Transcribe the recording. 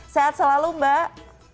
sehat selalu mbak